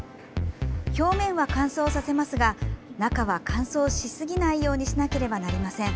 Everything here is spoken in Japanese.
表面は乾燥させますが中は乾燥しすぎないようにしなければなりません。